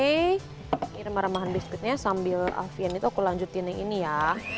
ini remah remahan biskuitnya sambil alfian itu aku lanjutin yang ini ya